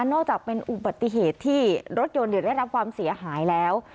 จากเป็นอุบัติเหตุที่รถยนต์ได้รับความเสียหายแล้ว